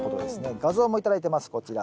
画像も頂いてますこちら。